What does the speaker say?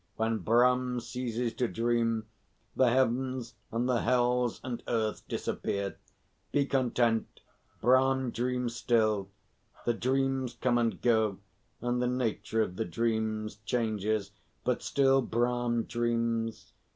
When Brahm ceases to dream, the Heavens and the Hells and Earth disappear. Be content. Brahm dreams still. The dreams come and go, and the nature of the dreams changes, but still Brahm dreams.